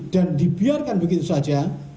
dan dibiarkan begitu saja